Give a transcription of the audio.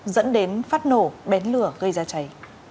dẫn đến phát nổ bén lửa gây ra cháy